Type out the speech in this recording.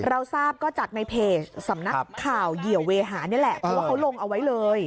เราทราบก็จากในเพจสำนักข่าวเหยื่อเวหานี่แหละเพราะว่าเขาลงเอาไว้เลย